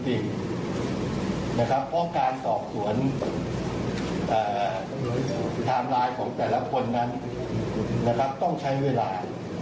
เพราะการสอบสวนไทม์ไลน์ของแต่ละคนนั้นต้องใช้เวลา